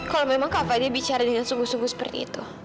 kalau memang kakak dia bicara dengan sungguh sungguh seperti itu